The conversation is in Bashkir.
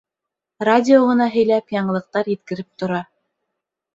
Радио ғына һөйләп, яңылыҡтар еткереп тора.